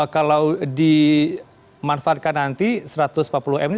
kalau dimanfaatkan nanti satu ratus empat puluh miliar rupiah